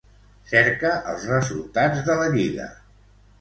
Cerca els resultats de la Lliga.